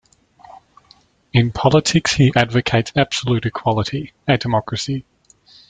In politics he advocates absolute equality - a democracy.